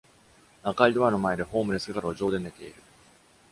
赤いドアの前で、ホームレスが路上で寝ている。